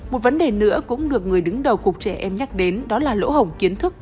một vấn đề nữa cũng được người đứng đầu cục trẻ em nhắc đến đó là lỗ hổng kiến thức